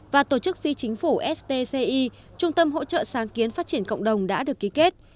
và tổ chức phi chính phủ stci trung tâm hỗ trợ sáng kiến phát triển cộng đồng đã được ký kết